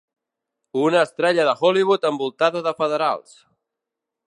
Una estrella de Hollywood envoltada de federals!